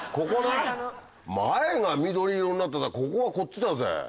前が緑色になってここがこっちだぜ。